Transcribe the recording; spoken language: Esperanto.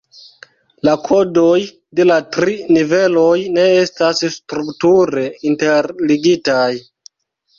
La kodoj de la tri niveloj ne estas strukture interligitaj.